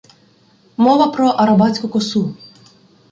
Мова про Арабатську косу